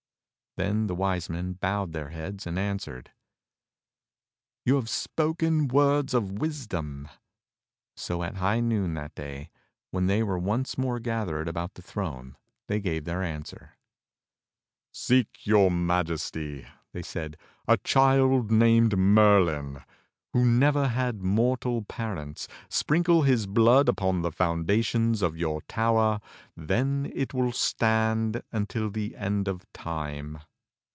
Then the Wise Men bowed their heads and answered : "You have spoken the words of wisdom." So at high noon that day, when they were once more gathered about the throne, they gave their answer: "Seek, your Majesty," said they, "a child named Merlin who never had mortal parents. Sprinkle his blood upon the foundations of your tower. Then will it stand until the end of time."